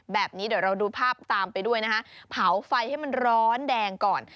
แบบนี้เดี๋ยวเราดูภาพตามไปด้วยนะคะเผาไฟให้มันร้อนแดงก่อน